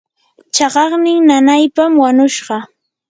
chaqannin nanaypam wanushqa.